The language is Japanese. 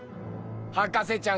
博士ちゃん